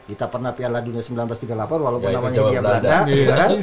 kita pernah piala dunia seribu sembilan ratus tiga puluh delapan walaupun namanya dia belanda gitu kan